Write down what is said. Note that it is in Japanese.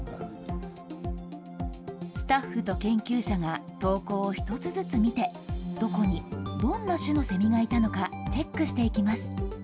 スタッフと研究者が投稿を１つずつ見て、どこに、どんな種のセミがいたのかチェックしていきます。